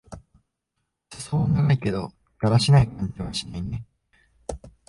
すそは長いけど、だらしない感じはしないね。